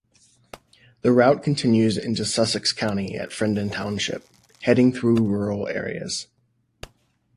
The route continues into Sussex County at Fredon Township, heading through rural areas.